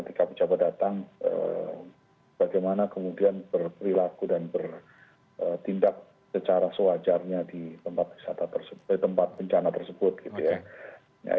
ketika pejabat datang bagaimana kemudian berperilaku dan bertindak secara sewajarnya di tempat bencana tersebut gitu ya